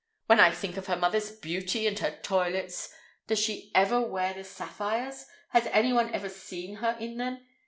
When I think of her mother's beauty and her toilets! Does she ever wear the sapphires? Has anyone ever seen her in them?